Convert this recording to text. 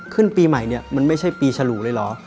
ปีใหม่เนี่ยมันไม่ใช่ปีฉลูเลยเหรอ